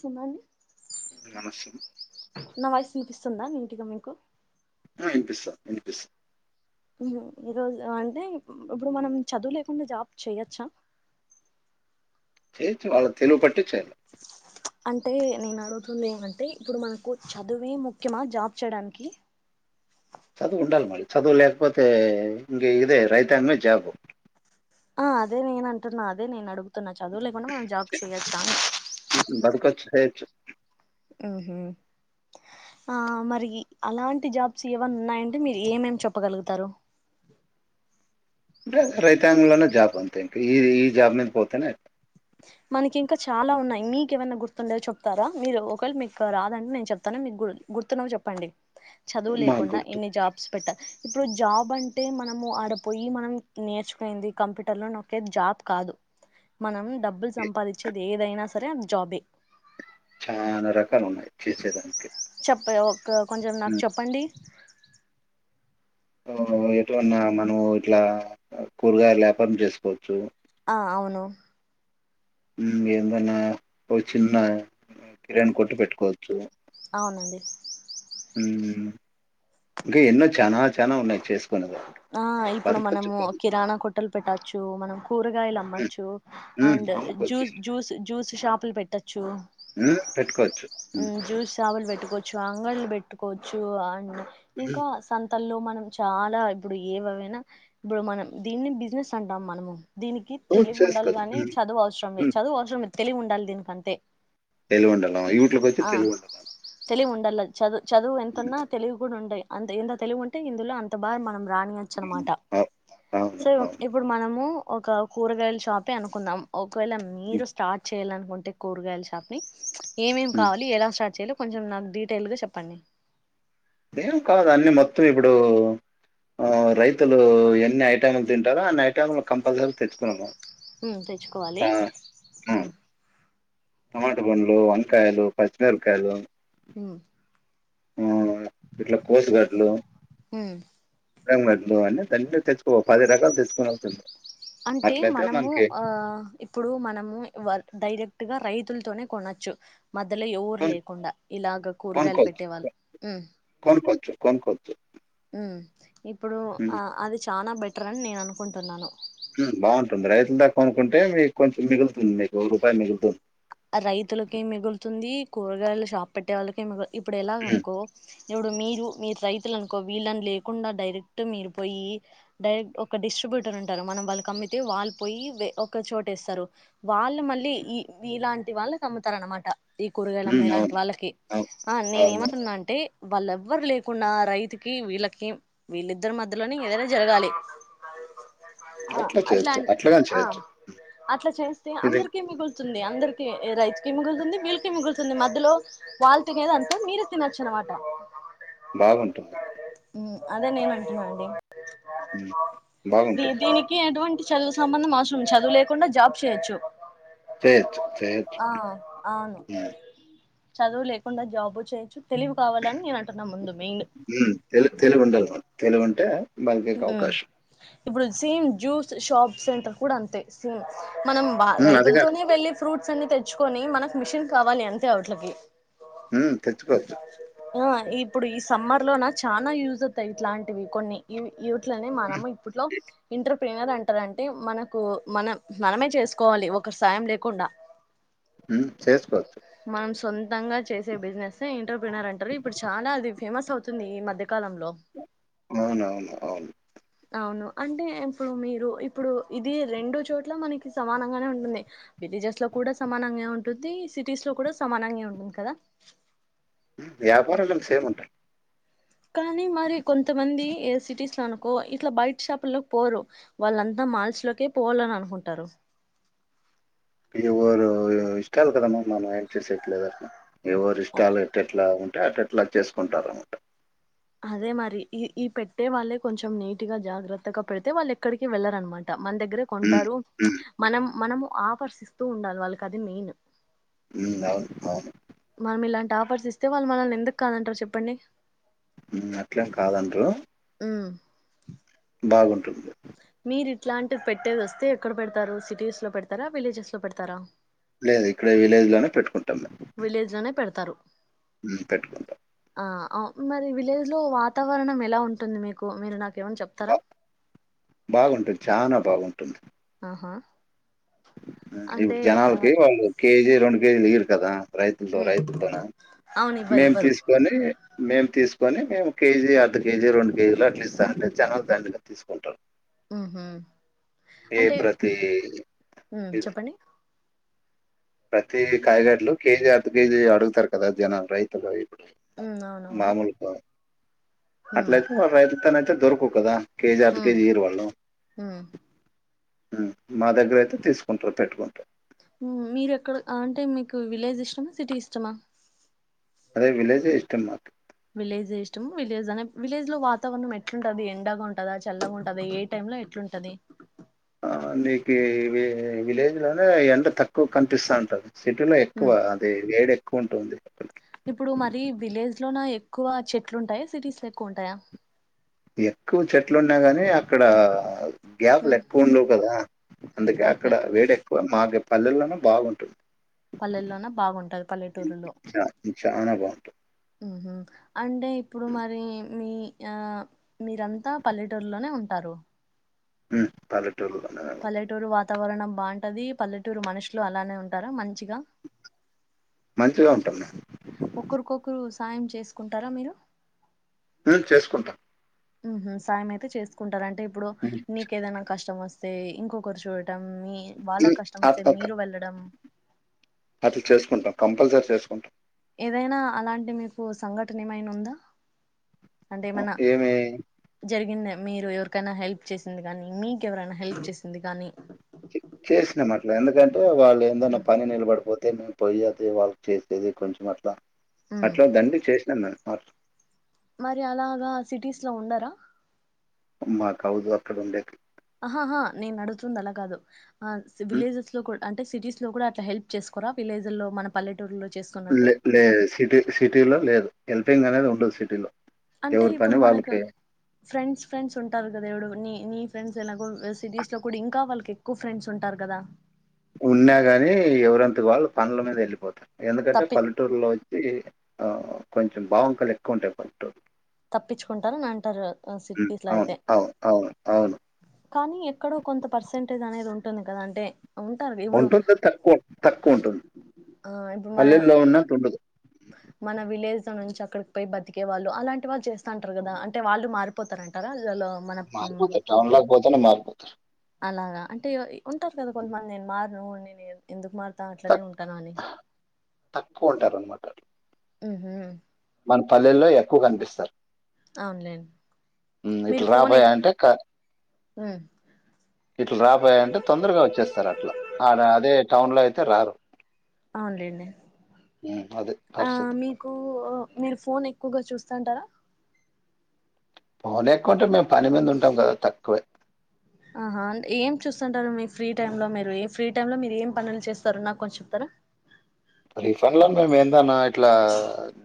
సన్నా వా మనస్సు నాయిస్ వినిపిస్తుందా నీటిగా మీకు ఆ వినిపిస్తాంది వినిపిస్తా ఈరోజు అంటే ఇప్పుడు మనం చదువు లేకుండా జాబ్ చేయొచ్చా? చేయాచ్చు వాళ్ళ తెలివి పట్టి చేయలే అంటే నేను అడుగుతుంది ఏమంటే ఇప్పుడు మనకు చదువే ముఖ్యమా జాబ్ చేయడానికి చదువు ఉండాలి మళీ చదువు లేకపోతే ఇంక ఇదే రైతాంగమే జాబు ఆ అదే నేను అంటున్నా అదే నేను అడుగుతున్నాను చదువులే లేకుండా మనం జాబ్ చేయొచ్చా అని బతకొచ్చు, చేయొచ్చు. హ ఆ మరి అలాంటి జాబ్స్ ఏవన్న ఉన్నాయంటే మీరు ఏమేమి చెప్పగలుగుతారు? అంటే రైతాంగంలోనే జాబ్ అంతే ఇంకా ఈ ఈ జాబ్ మీద పోతేనే అ మనకి ఇంకా చాలా ఉన్నాయి మీకు ఏమైనా గుర్తుండేదో చెప్తారా మీరు ఒకవేళ మీకు రాదంటడి నేను చెప్తాను మీకు గు గుర్తున్నవి చెప్పండి చదువు మాకు లేకుండా గుర్తు. ఇన్ని జాబ్స్ పెట్ట ఇప్పుడు జాబ్ అంటే మనము ఆడపోయి మనం నేర్చుకుయింది కంప్యూటర్ లో ఒకే జాబ్ కాదు మనం డబ్బుల్ సమ్ ఏదైనా సరే అది జాబే చానా రకాలు ఉన్నాయి చేసేదానికి చెప్ప ఒక కొంచెం నాకు హ్మ్. చెప్పండి ఎటున్నా మనం ఇట్లా కూరగాయల యాపారం చేసుకోవచ్చు ఆ అవును ఉమ్ ఏందన్నా ఒక చిన్న ఉమ్, కిరాణ్ కొట్టు పెట్టుకోవచ్చు అవునండి మ్మ్ ఇంకా ఎన్నో చానా చానా ఉన్నాయి చేస్ ఆ ఇప్పుడు మనము కిరాణా కొట్టలు పెట్టచ్చు మనం కూరగాయలు హ్మ్. అమ్మొచ్చు హ్మ్. అండ్ అమ్ముకోవచ్చు. జూస్ జ్యూస్ జ్యూస్ షాపులు పెట్టచ్చు హ్మ్ పెట్టుకోవచ్చు. హ్మ్. ఉమ్ జ్యూస్ షాపలు పెట్టుకో జాంగాయాలు పెట్టుకోవచ్చు అ హ్మ్. ఇంకా సం తలో మనం చాలా ఇప్పుడు ఏవవైనా ఇప్పుడు మనం దీన్ని బిజినెస్ అంటాం మనము దీనికి తెలివి ఉండాలి చేసుకోవచ్చు. గాని హ్మ్. చదువు అవసరం లే హ్మ్. చదువు అవసరం లే తెలివి ఉండాలి దీనికంతే తెలివుండలం ఈట్లకొచ్చి ఆ తెలివుండలం. తెలివి ఉండాల చదువు చదువు ఎంతున్నా తెలివి కూడా ఉంటాయి అంత ఎంత తెలివు ఉంటే ఇందులో అంత బా మనం రానియచ్చు అనమాట అవ్ అవును. సో అవును. ఇప్పుడు మనము ఒక కూరగాయల షాపే అనుకుందాం ఓ ఒకవేళ హ్మ్. మీరు స్టార్ట్ చే చేయాలనుకుంటే కూరగాయలు షాప్ని ఎమ్ ఎమ్ హ్మ్. కావాలి ఎలా స్టార్ట్ చేయ్యలి కొంచెం నాకు డీటెయిల్గా చెప్పండి అదేం కాదు అన్ని మొత్తం ఇప్పుడు ఆ రైతులు ఎన్ని ఐటంలు తింటారో అన్ని ఐటంలు కంపల్సరీ తెచ్చుకోళ్ళ హ్మ్ తెచ్చుకోవాలి హ్మ్ టమాట పండ్లు వంకాయలు పచ్చిమిరపకాయలు హ్మ్ హ్మ్ ఇట్లా కోస్ గార్డ్లు ఉమ్ తెల్లడ్లు అన్ని కలిపి తెచ్చుకో పది రకాలు తెచ్చు అంటే మనము ఆ ఇప్పుడు మనము వ డైరెక్ట్ గా రై తుల్తోనే కొనచ్చు మధ్యలో ఎవురు కొను లేకుండా ఇలాగా కూరగాయలు కొనుక్కోవచ్చు. పెట్టేవాళ్ళు హ్మ్ కొనుక్కోవచ్చు. కొనుక్కోవచ్చు. హ్మ్ ఇప్పుడు హ్మ్. ఆ అది చానా బె బెట్రన్ నేను అనుకుంటున్నాను హ్మ్ బాగుంటుంది రైతుల దగ కొనుకుంటే మీకు కొంచెం మిగులుతుంది మీకు ఒక రూపాయి మిగులుతుంది రైతులకేం మిగులుతుంది కూరగాయలు షాప్ పెట్టే వాళ్ళకే మిగు ఇప్పుడు హ్మ్. ఎలాగనుకో ఇప్పుడు మీరు మీరు రైతులు అనుకో వీళ్ళని లేకుండా డైరెక్ట్ మీరు పోయి డైరెక్ట్ ఒక డిస్ట్రిబ్యూటర్ ఉంటారు మనం వాళ్ళకి అమ్మితే వాళ్ళు పోయి వె ఒక చోటేస్తారు వాళ్ళు మళ్ళీ ఈ ఇలాంటి వాళ్ళకమ్ముతారన్నమాట ఈ కూరగాయలు హ్మ్. అమ్మే లాంటి అవును. వాళ్ళకి అవును. ఆ నేను అవును. ఎమంటున్నా అంటే వాళ్ళ ఎవ్వరు లేకుండా రైతుకి వీళ్ళకి వీళ్ళద్దరి మధ్యలోనే ఏదైనా జరగాలి ఆ అట్లా చేయొచ్చు. అట్లగాని ఆ చేయొచ్చు. అట్లా చేస్తే ఇది అందరికి మిగుల్ అందరికి రైతుకి మిగులుతుంది వీళ్ళకి మిగులుతుంది మధ్యలో వాళ్ళ తినేది అంతా మీరు తినొచ్చు అనమాట బాగుంటుంది హ్మ్ అదే నేను అంటున్నా అండి హ్మ్. ది బాగుంటుంది. దీనికి ఎటువంటి చదువు సంబంధం అవసరం చదువు లేకుండా జాబ్ చేయొచ్చు చేయచ్చు చేయచ్చు ఆ అవును హ్మ్ చదువు లేకుండా జాబు చేయొచ్చు తెలివి కావాలని నేను అంటున్నా ముందు మెయిన్ హ్మ్ తెలి తెలివి ఉండాలి మన తెలువి ఉంటే బలికెకి ఉమ్ అవకాశ్ ఇప్పుడు సేమ్ జ్యూస్ షాప్ సెంటర్ కూడా అంతే సేమ్ మనం వా హ్మ్. అదిగా రైతులతోనే వెళ్ళి ఫ్రూట్స్ అన్ని తెచ్చుకొని మనకి మిషన్ కావాలి అంతే అవట్లకి హ్మ్ తెచ్చుకోచ్చు ఇప్పుడు ఈ సమ్మర్ లోన చానా యూజ్ అవుతాయి ఇట్లాంటివి కొన్ని యూట్లనే మనము ఇప్పుట్లో ఇంటర్ పెనర్ అంటారంటే మనకు మనం మనమే చేసుకోవాలి ఒక సాయం లేకుండా హ్మ్ చేసుకోచ్చు దంగా చేసే బిజినెస్ ఇంటర్ప్రినర్ అంటారు ఇప్పుడు చాలా అది ఫేమస్ అవుతుంది ఈ మధ్య కాలంలో అవునవును అవును అవును అంటే ఇప్పుడు మీరు ఇప్పుడు ఇది రెండు చోట్ల మనకి సమానంగానే ఉంటుంది విలేజెస్ లో కూడా సమానంగే ఉంటుంది సిటీస్ లో కూడా సమానంగే ఉంటుంది కదా హ్మ్ వ్యాపారలేమి సేమ్ ఉంటాయ్ కానీ మరి కొంతమంది ఏ సిటీస్ లో అనుకో ఇట్లా బయట షాపు లోకి పోరు వాళ్ళంతా మాల్స్ లోకే పోవల్లని అనుకుంటారు ఎవరు ఇష్టాల్ కదా మ మనం ఏం చేసేకి లేదు అట్ల ఎవరి ఇష్టాలు ఎట్లెట్ల ఉంటే అట అట్లా చేసుకుంటారన్నమాట అదే మరి ఈ ఈ పెట్టే వాళ్ళే కొంచెం నీట్ గా జాగ్రత్తగా పెడితే వాళ్ళు ఎక్కడికి వెళ్లరనమాట మన దగ్గరే హ్మ్. కొంటారు హ్మ్. మనం మనము ఆకర్షిస్తూ ఉండాలి వాళ్ళకి అది మెయిన్ హ్మ్ అవును అవును మనం ఇలాంటి ఆఫర్స్ ఇస్తే వాళ్ళు మనల్ని ఎందుకు కాదంటారు చెప్పండి హ్మ్ అట్లేం కాదండ్రు హ్మ్ బాగుంటుంది మీరు ఇట్లాంటివి పెట్టేది వస్తే ఎక్కడ పెడతారు సిటీస్ లో పెడతారా విలేజెస్ లో పెడతారా లేదు ఇక్కడే విలేజ్ లోనే పెట్టుకుం విలేజ్ లోనే పెడతారు హ్మ్ పెట్టుకుంటా ఆ అవ్ మరి విలేజ్ లో వాతావరణం ఎలా ఉంటుంది మీకు మీరు నా బా బాగుంటుంది చానా బాగుంటుంది ఆహా ఇప్పుడు అంటే ఆ జనాలకి వాళ్ళు కేజీ రెండు కేజీలు ఈరు కదా రైతులతో ఉమ్ రైతులతోన అవును ఇవ్వరు మేము ఇవ్వరు తీసుకొని మేము తీస్ కొని మేము కేజీ అర్ధ కేజీ రెండు కేజీలు అట్ల ఇస్థాంటే జనాలు దండిగా తీసుకుంటారు హ్మ్ హు ఏ ప్రతి ఉమ్ ఇది చెప్పండి ప్రతి కాయగడ్లు కేజి అర్ధ కేజి అడుగుతారు కదా జనా రైతులు ఉమ్ అవునవును మాముూలుగా ఉమ్ అట్లైయితే రైతు తన [unintelligible] కదా ఏ ఉమ్ జాతికే [unintelligible] ఉండవ్ ఉమ్ మా దగ్గర అయితే తీసుకుంటారు, పెట్టుకుంటారు మీరెక్కడ అంటే మీకు విలేజ్ ఇష్టమా సిటీ ఇష్టమా అదే విలేజే ఇష్టం మాకు విలేజే ఇష్టం విలేజ్ అనే విలేజ్ లో వాతావరణం ఎట్లుంటది? ఎండగా ఉంటదా, చల్లగా ఉంటది, ఏ టైమ్ లో ఎట్లుంటది నీకు విలేజ్ లోనే ఎండ తక్కువ కనిపిస్తాంటది సిటీలో ఎక్కువ ఉమ్ అదే వేడి ఎక్ క్కువుంటుంది ఇప్పుడు మరి విలేజ్ లోన ఎక్కువ చెట్లు ఉంటాయా? సిటీస్ లో ఎక్కువ ఉంటాయా? ఎక్కువ చెట్లున్నాయి గాని అక్కడ గ్యాప్లు ఉమ్ ఎక్కువ ఉండవు కదా అందుకే ఓకే అక్కడ వేడి ఎక్కువ మాకు పల్లెల్లోనే బాగుంటుంది పల్లెల్లోన బాగుంటది పల్లెటూరులో చా చానా బావుంటుంది. అంటే ఇప్పుడు మరి మీ ఆ మీరంతా పల్లెటూరులోనే ఉంటారు మ్మ్ [unintelligible] పల్లెటూరు వా తావరణం బాంటది. పల్లెటూరు మనుషులు అలానే ఉంటారు మంచిగా మంచిగా ఉంటాం మేము ఒకరుకొకురు సాయం చేసుకుంటారా మీరు మ్మ్ చేసుకుంటాం హ్మ్మ్ సాయం అయితే చేసుకుంటారండి ఇప్పుడు హ్మ్. నీకు ఏదైనా కష్టం వస్త ే ఇంకొ కొర్చు మీ వాళ్ళ కష్టం వస్తే మీరు వెళ్ళడం అట్ల చేసుకుంటాం కంపల్సరీ చేసుకుంటాం ఏదైనా అలాంటి మీకు సంఘటన ఏమైనా ఉందా అంటే మన ఏమి జరిగిన మీరు ఎవరికైనా హెల్ప్ చేసింది కానీ, మీకెవరైనా హెల్ప్ చేసింది కానీ చేసినాం అట్లా ఎందుకంటే వాళ్ళు ఏందైనా పని నిలబడిపోతు అ మేము పోయి అది వాళ్ళకి చేసేది కొంచెం అట్లా మ్మ్ అట్లా దండిగ చేసినామ్ పర్ మరి అలాగా సిటీస్ లో ఉండరా మా కవదు అక్కడ ఉండే ఆహహా నేనడుగుతుంది అలా కాదు ఆ విలేజెస్ లో కూడా అంటే సిటీస్ లో కూడా అట్లా హెల్ప్ చేసుకోరా విలేజ్ లో మన పల్లె లే లేదు సిటీ సిటీలో లేదు ఎల్పింగ్ అనేది ఉండదు సిటీలో అంటే ఎవరి ఇప్పుడు పని మనకు వాళ్ళకి ఫ్రెండ్స్ ఫ్రెండ్స్ ఉంటారు కదా ఏడుగురు నీ ఫ్రెండ్స్ ఎలాగో సిటీస్ లో కూడా ఇంకా వాళ్ళకి ఎక్కువ ఫ్రెండ్స్ ఉంటారు కదా ఉండా గాని ఎవరంత వాళ్ళు పనుల మీద వెళ్ళిపోతారు ఎందుకంటే తప్పి పల్లెటూర్లో ఈ ఆ కొంచెం బావంకాలు ఎక్కువ ఉంటాయి పట్టు తప్పించుకుంటారు అని అంటారు ఉం. సిటీస్ లో అవును అయితే అవును అవును అవును కానీ ఎక్కడో కొంత పర్సెంట్ [unintelligible] అనేది ఉంటుంది కద అంటే ఉంటారు ఇప్పుడు ఉంటుంది తక్కువ తక్కువ ఉంటుంది ఆ ఇప్పుడు మన పల్లెల్లో ఉన్నట్టు ఉండదు. మన విలేజ్ నుంచి అక్కడికి పోయి బతికే వాళ్ళు అలాంటి వాళ్ళు చేస్తాంటరు కదా అంటే వాళ్ళు మారిపోతారంటారా అలో మన మ్, మార్పోతే టౌన్ లోకి పోతేనే మార్పు అ అలాగా అంటే ఉంటారు కదా కొంతమంది నేను మారను ఎందుకు అట్లనే తక్ ఉంటాను అని తక్కువ ఉంటారన్నమాట ఊహూ మన పల్లెల్లో ఎక్కువ కనిపిస్తారు అవునులేండి హ్మ్ మీరు ఇట్లు రా ఫోన్ ఎ బయ్యా అంటే క ఇట్లు రా బయ్యా అంటే తొందరగా వచ్చేస్తారు అట్లా ఆడ అదే టౌన్ లో అయితే రారు అవునండి ఉమ్, అదే ఆ పరిస్థితి మీకు మీరు ఫోన్ ఎక్కువగా చూస్తాంటారా పోన్ ఎక్కువంటే మేము పని మీద ఉంటాం కదా తక్కువే ఆహా ఏం చూస్తుంటారు మీ ఫ్రీ టైమ్ లో మీరు ఏ ఫ్రీ టైమ్ లో మీరు ఏం పనులు చేస్తారు నాకు కొంచం చెప్తారా రిఫాన్లో మేందన్నా ఎట్లా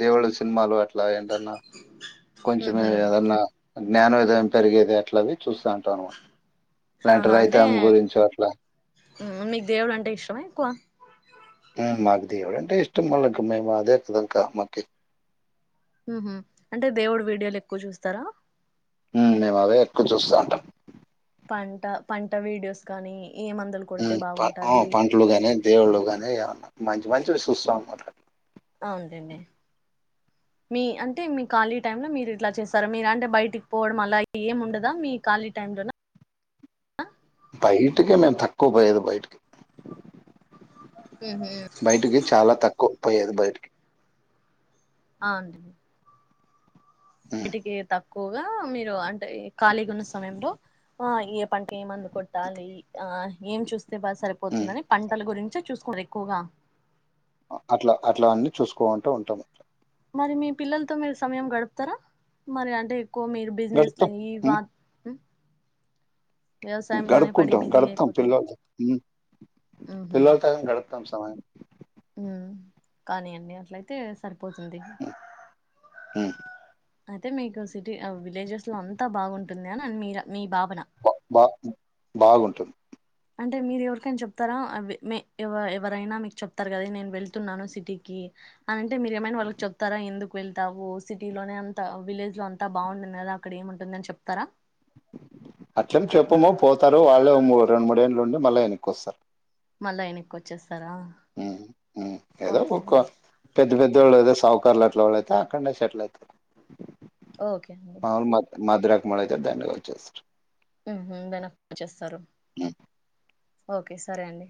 దేవుళ సినిమాలో అట్ల అలా ఏంటన్నా కొంచమే ఉహు ఏదన్నా జ్ఞానోదయం పెరిగేది ఎట్లవి ఆహా అంటే రైతాం గురించి అట్లా మీకు దేవుడు అంటే ఇష్టమ ఎక్కువ మాకు దేవుడు అంటే ఇష్టమ్ వాలకి మేము అదేదా క మాకి మ్ హూ అంటే దేవుడు వీడియోలు ఎక్కువ చూస్తారా మేము అవే ఎక్కువ చూస్తా ఉంటాం పంట పంట వీడియోస్ కానీ ఏ మందులు కొడితే బాగుంటది పంటలు గాని దేవుళ్ళు గాని ఏమన్నా మంచి మంచి వి చూస్తం అన్నమాట అవునండి మీ అంటే మీ ఖాళీ టైమ్ లో మీరు ఇట్లా చేస్తారా మీరు అంటే బయటికి పోవడం అలా ఏం ఉండదా మీ ఖాళీ టైమ్ లోన బయటికే మేము తక్కువ పోయేది బయటికి ఉహు బయటికి చాలా తక్కువ పోయేది బయటకి అవుడిండ్ ఉమ్ బీటికె తక్కు క్కువగా మీరు అం కాలీగ ఉన్న సమయంలో ఆ ఏ పంట ఏమందు కొట్టాలి ఆ ఏం చూస్త సరే బా ఉమ్ సరిపోతుందని పంటల గురించే చూస్త కుర ఎక్కువగా అట్లా అట్లా అన్ని చూసుకోంటూ ఉంటాము మరి మీ పిల్లలతో మీరు సమయం గడుపుతారా మరి అంటే కో మీరు బిజినెస్ గడుపుతాం ఈ ఉమ్ వా వ్యవసాయంలోనే పడి గడుపుకుంటాం బిజీ గడుపుతాం అయిపోతారు పిల్లలతో పిల్లలతో గడుపుతాం సమయం మ్ కానీ అండి అట్లయితే సరిపోతుంది. హ్మ్ అయితే మీకు సిటీ విలేజెస్ లో అంతా బాగుంటుంది అని మీర్ మీరు బా బ్బా బాగుంటుంది అంటే మీరు ఎవరికైనా చెప్తారా ఎవరైనా మీకు చెప్తారు కదా నేను వెళ్తున్నాను సిటీకి అనింటే మీరు ఏమైనా వాళ్ళకి చెప్తారా ఎందుకు వెళ్తావు సిటీలోనే అంత విలేజ్ లో అంతా బాగుంటుంది కదా అక్కడ ఏముంటుంది అని చెప్తారా. అట్లెం చెప్పము పోతారు వాళ్ళే ఓ రెండు మూడేళ్ళ. ఉండి మళ్ళా ఎనకొస్తారు. మళ్ళ ఎనకి ఒచ్చే ఏదో ఒక అండి పెద్ద పెద్దోళ్ళు ఏదో సాగు కర్లు అట్ల వాలైతే అక్కడ్నే సెటిల్ అయితే ఓకే అండి నద్రాక్ మోడ్ అయితే దండిగా వొచెస్తరు మ్ హూ వెనకొచేస్తరూ ఉమ్, ఓకే సరే అండి.